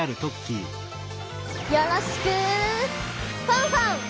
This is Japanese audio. よろしくファンファン！